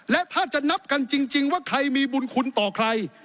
และถ้าจะนับกันจริงว่าใครมีบุญคุณต่อใคร